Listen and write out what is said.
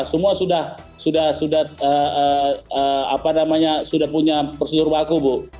semua sudah punya prosedur baku bu